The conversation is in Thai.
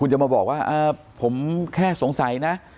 จะมาบอกว่าผมแค่สงสัยนะ